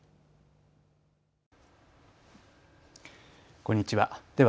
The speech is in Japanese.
こんにちは。